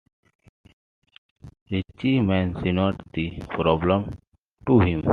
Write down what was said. Ritchie mentioned the problem to him.